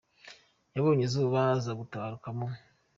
yabonye izuba, aza gutabaruka mu .